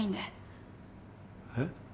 えっ？